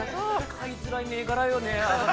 ◆買いづらい銘柄よね。